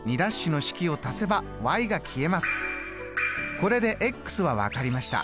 これでは分かりました。